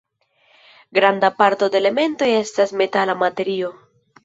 Granda parto de elementoj estas metala materio.